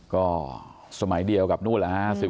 ก็สมัยเดียวกับนู่นละครับ